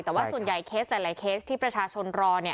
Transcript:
แต่ว่าส่วนใหญ่เคสหลายเคสที่ประชาชนรอ